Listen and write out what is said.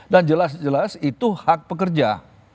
dan jelas jelas itu hak pekerja